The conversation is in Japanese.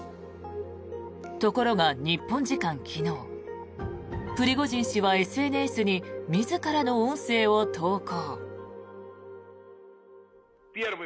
ところが日本時間昨日プリゴジン氏はＳＮＳに自らの音声を投稿。